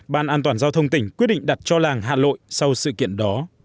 ban an toàn giao thông tỉnh quyết định đặt cho làng hạ lội sau sự kiện đó